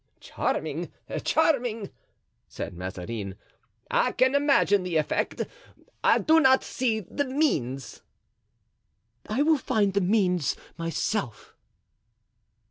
"Charming! charming!" said Mazarin. "I can imagine the effect, I do not see the means." "I will find the means myself."